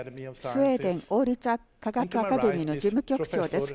スウェーデン王立科学アカデミーの事務局長です。